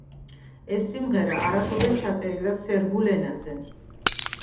ეს სიმღერა არასოდეს ჩაწერილა სერბულ ენაზე.